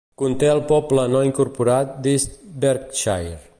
Conté el poble no incorporat d'East Berkshire.